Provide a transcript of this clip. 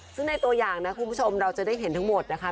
ซึ่งในตัวอย่างนะคุณผู้ชมเราจะได้เห็นทั้งหมดนะคะ